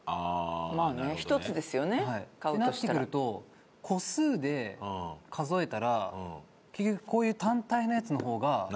まあね１つですよね買うとしたら。ってなってくると個数で数えたら結局こういう単体のやつの方が個数。